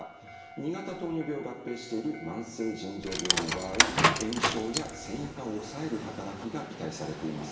２型糖尿病を合併している慢性腎臓病の場合炎症や線維化を抑える働きが期待されています。